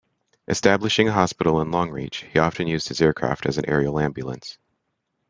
Establishing a hospital in Longreach, he often used his aircraft as an aerial ambulance.